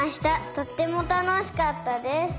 とってもたのしかったです。